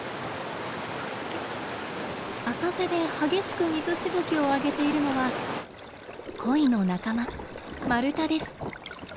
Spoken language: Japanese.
浅瀬で激しく水しぶきをあげているのはコイの仲間マルタです。